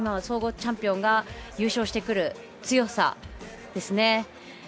総合チャンピオンが優勝してくる強さですね。